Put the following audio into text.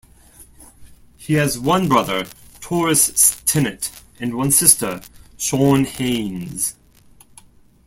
He has one brother, Taurus Stinnett, and one sister, Shaun Haynes.